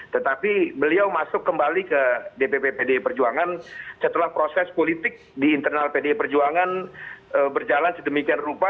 tetapi beliau masuk kembali ke dpp pdi perjuangan setelah proses politik di internal pdi perjuangan berjalan sedemikian rupa